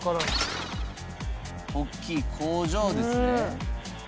「大きい工場ですね」